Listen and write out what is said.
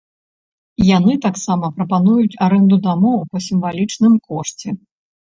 Яны таксама прапануюць арэнду дамоў па сімвалічным кошце.